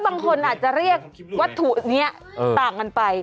บางคนอาจจะเรียกวัตถุนี้ต่างกันไป